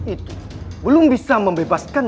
itu belum bisa membebaskan